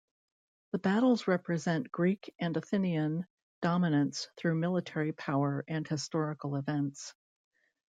The battles represent Greek and Athenian dominance through military power and historical events.